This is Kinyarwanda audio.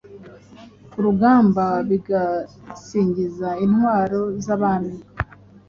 ku rugamba bigasingiza intwaro zabami